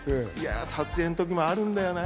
撮影の時もあるんだよな。